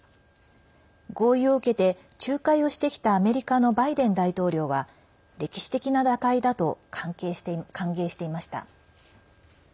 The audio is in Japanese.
合意を受けて仲介をしてきたアメリカのバイデン大統領は歴史的な打開だと歓迎していました。